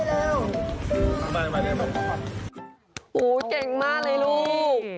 โอ้โหเก่งมากเลยลูก